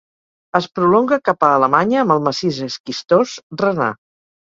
Es prolonga cap a Alemanya amb el Massís Esquistós Renà.